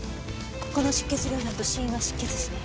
この出血量になると死因は失血死ね。